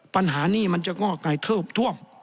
ปัญหานี่มันจะง่อกลายเทิบท่วม